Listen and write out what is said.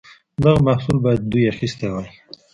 دغه محصول باید دوی اخیستی وای.